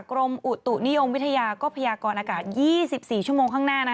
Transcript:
กรมอุตุนิยมวิทยาก็พยากรอากาศ๒๔ชั่วโมงข้างหน้า